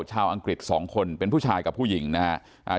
ชาวอังกฤษ๒คนเป็นผู้ชายกับผู้หญิงนะครับ